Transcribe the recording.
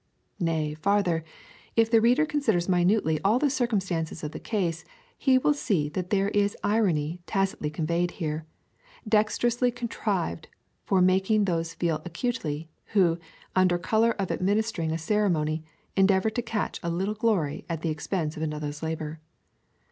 Nay farther, if the reader considers minutely all the circumstances of the case, he will see that there is irony^ tacitly conveyed here, dex terously contrived for making those feel acutely, who, under colour of administering a ceremony, endeavour to catch a little glory at the expense of another's labour.